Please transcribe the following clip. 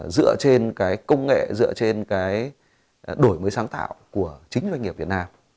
dựa trên cái công nghệ dựa trên cái đổi mới sáng tạo của chính doanh nghiệp việt nam